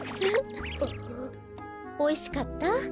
おいしかった？